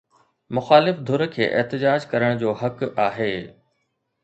مخالف ڌر کي احتجاج ڪرڻ جو حق آهي.